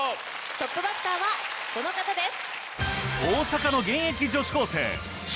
トップバッターはこの方です。